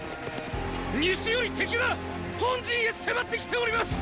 西より敵が本陣へ迫って来ております！